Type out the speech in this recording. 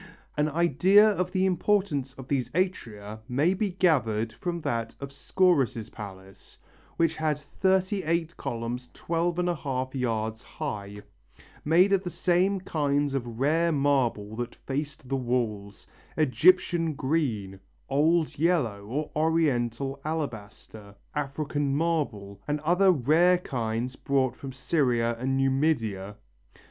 An idea of the importance of these atria may be gathered from that of Scaurus' palace, which had thirty eight columns 12½ yards high, made of the same kinds of rare marble that faced the walls Egyptian green, old yellow or Oriental alabaster, African marble and other rare kinds brought from Syria and Numidia.